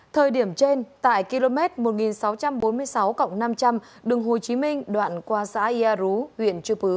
thời điểm trên tại km một nghìn sáu trăm bốn mươi sáu năm trăm linh đường hồ chí minh đoạn qua xã yà rú huyện chư pứ